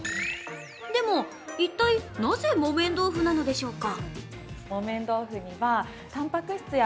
でも、一体、なぜ木綿豆腐なのでしょうか？